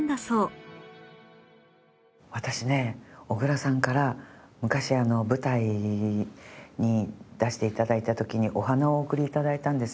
私ね小倉さんから昔舞台に出して頂いた時にお花をお贈り頂いたんですよ。